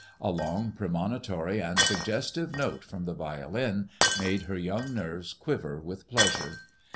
A long pre monitory and suggestive note from the violin made her young nerves quiver with pleasure.